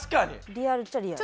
リアルっちゃリアル。